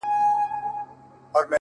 بې وسي”